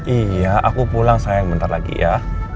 iya aku pulang sayang bentar lagi ya